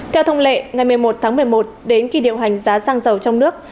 theo thông lệ ngày một mươi một tháng một mươi một đến kỳ điều hành giá xăng dầu trong nước